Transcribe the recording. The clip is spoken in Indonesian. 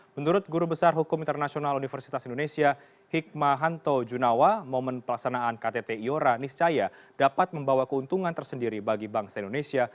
menurut guru besar hukum internasional universitas indonesia hikmahanto junawa momen pelaksanaan ktt iora niscaya dapat membawa keuntungan tersendiri bagi bangsa indonesia